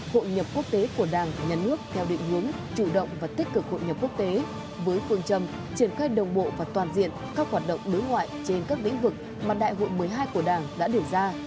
hội nhập quốc tế của đảng nhà nước theo định hướng chủ động và tích cực hội nhập quốc tế với phương châm triển khai đồng bộ và toàn diện các hoạt động đối ngoại trên các lĩnh vực mà đại hội một mươi hai của đảng đã đề ra